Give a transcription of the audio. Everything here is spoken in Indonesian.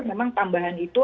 memang tambahan itu